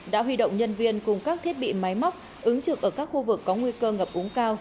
đã huy động nhân viên cùng các thiết bị máy móc ứng trực ở các khu vực có nguy cơ ngập úng cao